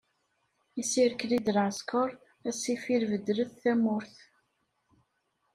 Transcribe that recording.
Isirkli-d lɛesker, a ssifil bedlet tamurt.